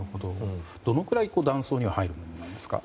どのくらい弾倉には入るものなんですか？